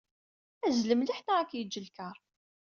Azzel mliḥ neɣ ad k-yeǧǧ lkar.